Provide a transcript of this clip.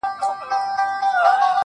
• سترگي لكه دوې ډېوې.